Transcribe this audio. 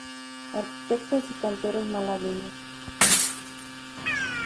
Arquitectos y canteros malagueños.